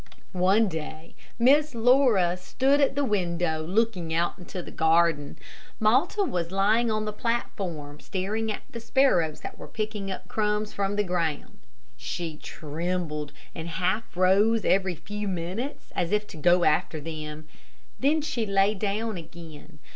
One day Miss Laura stood at the window, looking out into the garden. Malta was lying on the platform, staring at the sparrows that were picking up crumbs from the ground. She trembled, and half rose every few minutes, as if to go after them. Then she lay down again.